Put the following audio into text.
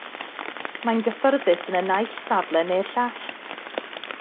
Mae'n gyffyrddus yn y naill safle neu'r llall.